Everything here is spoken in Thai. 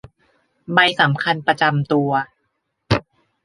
ใบสำคัญประจำตัว